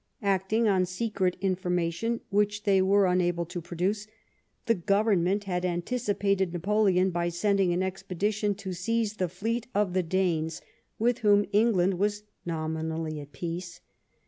Acting on secret information, which they were unable to produce, the Government had anticipated Napoleon by sending an expedition to seize the fleet of the Danes, with whom England was nominally at peace.